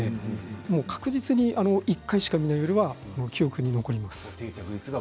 確実に１回しか見ないよりは記憶に残ります。